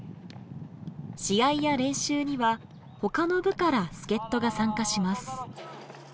試合や練習には他の部から助っ人が参加します。